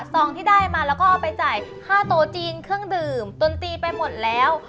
ซองที่ได้มาแล้วก็เอาไปจ่ายค่าโตจีนเครื่องดื่มดนตรีไปหมดแล้ว